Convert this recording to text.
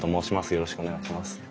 よろしくお願いします。